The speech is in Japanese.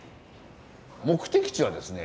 目的地はですね